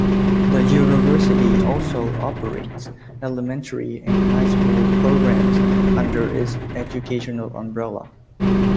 The university also operates elementary and high school programs under its educational umbrella.